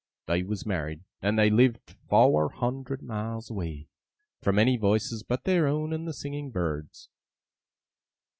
They was married, and they live fower hundred mile away from any voices but their own and the singing birds.